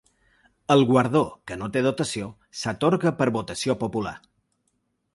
El guardó, que no té dotació, s’atorga per votació popular.